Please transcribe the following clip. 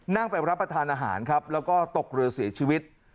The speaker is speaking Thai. นั่งไปรับประทานอาหารครับแล้วก็ตกเรือเสียชีวิต